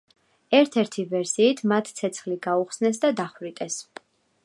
ერთ-ერთი ვერსიით მათ ცეცხლი გაუხსნეს და დახვრიტეს.